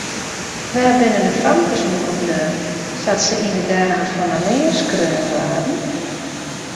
Wêr binne de famkesboeken bleaun sa't se yn de dagen fan alear skreaun waarden?